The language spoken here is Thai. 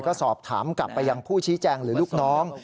ก็สอบถามกลับไปยังผู้ชี้แจงหรือลูกน้อง